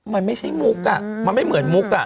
มันไม่ใช่มุกมันไม่เหมือนมุก